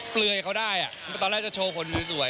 เปลือยเขาได้ตอนแรกจะโชว์คนสวย